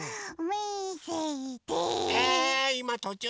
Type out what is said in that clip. みせて。